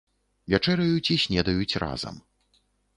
Вячэраюць і снедаюць разам.